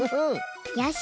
よし！